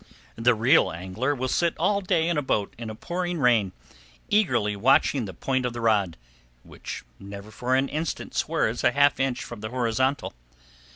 The real angler will sit all day in a boat in a pouring rain, eagerly watching the point of the rod, which never for an instant swerves a half inch from the horizontal.